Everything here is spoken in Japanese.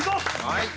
はい！